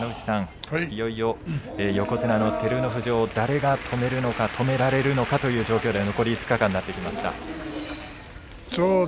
いよいよ横綱の照ノ富士を誰が止めるのか止められるのかという状況の残り５日間となってきました。